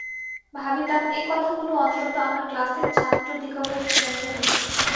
ভাবিতাম, একথাগুলো অন্তত আমার ক্লাসের ছাত্রদিগকে শুনাইয়া দিব।